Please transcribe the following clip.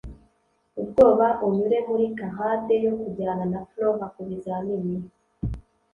ubwoba, unyure muri charade yo kujyana na flora kubizamini